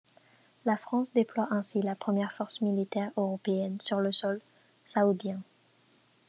La France déploie ainsi la première force militaire européenne sur le sol saoudien.